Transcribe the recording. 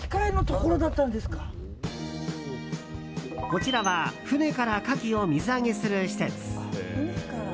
こちらは船からカキを水揚げする施設。